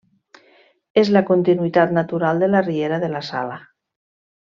És la continuïtat natural de la riera de la Sala.